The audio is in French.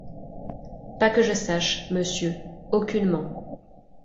Pas que je sache, monsieur, aucunement.